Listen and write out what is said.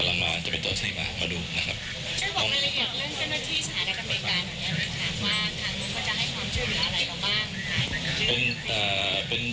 มีความชื่นอะไรคะบ้างใช่ไหม